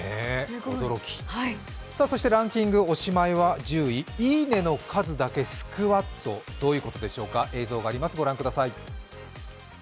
そしてランキングおしまいは１０位、いいねの数だけスクワット、どういうことでしょうか。